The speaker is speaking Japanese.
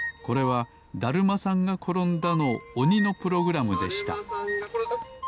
これは「だるまさんがころんだ」のおにのプログラムでしただるまさんがころんだ！